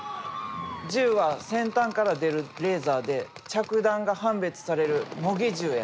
銃は先端から出るレーザーで着弾が判別される模擬銃や。